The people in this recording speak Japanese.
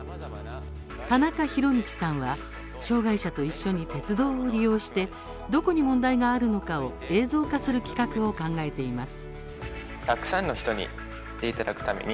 田中啓達さんは障がい者と一緒に鉄道を利用してどこに問題があるのかを映像化する企画を考えています。